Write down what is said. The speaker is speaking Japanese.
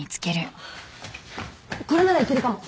これならいけるかも。